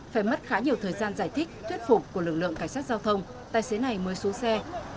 phải mất khá nhiều thời gian giải thích thuyết phục của lực lượng cảnh sát giao thông tài xế này mới xuống xe